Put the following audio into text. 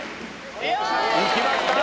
いけました。